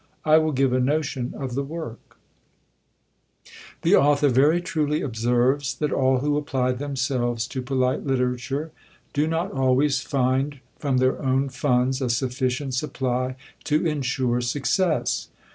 I will give a notion of the work: The author very truly observes, that all who apply themselves to polite literature do not always find from their own funds a sufficient supply to insure success.